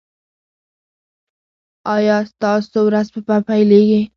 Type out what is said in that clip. ایا ستاسو ورځ به پیلیږي؟